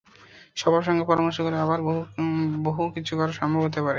সবার সঙ্গে পরামর্শ করে আরও বহু কিছু করা সম্ভব হতে পারে।